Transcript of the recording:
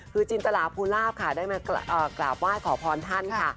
คือจินตราภูลาภค่ะได้มากราบไหว้ขอพรท่านค่ะ